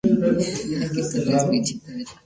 Bután clasificó a una atleta en esta disciplina.